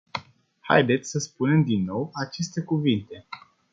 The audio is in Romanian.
Haideți să spunem din nou aceste cuvinte.